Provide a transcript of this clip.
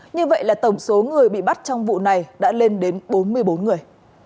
như vậy là tổng số người bị bắt trong vụ này đã lên đến bốn mươi bốn người